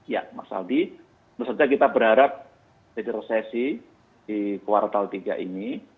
ya mas aldi kita berharap jadi resesi di kuartal ketiga ini